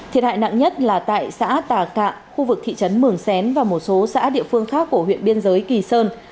thiệt hại nặng nhất là tại xã tà cạ khu vực thị trấn mường xén và một số xã địa phương khác của huyện biên giới kỳ sơn